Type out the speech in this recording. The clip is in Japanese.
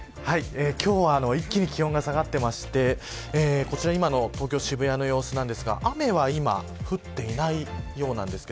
今日は一気に気温が下がっていましてこちら今の東京、渋谷の様子ですが雨は今降っていないようなんです。